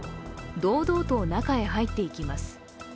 堂々と中へ入っていきます。